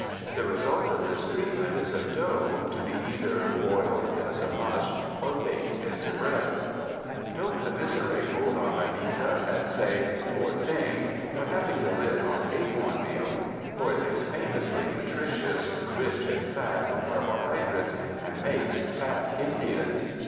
The result of this treatment is a dough, to be either boiled as a mush, or baked into bread. Don't commiserate old Angelita, and say, "Poor thing!" for having to live on acorn meal; for it is famously nutritious, rich in fat and carbo hydrates, and makes fat Indians.